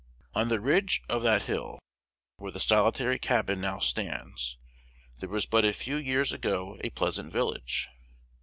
On the ridge of that hill, where the solitary cabin now stands, there was a few years ago a pleasant village.